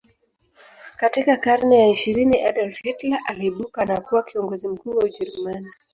Katika karne ya ishirini Adolf Hitler aliibuka na kuwa kiongozi mkuu wa ujerumani